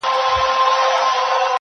نن یې رنګ د شګوفو بوی د سکروټو -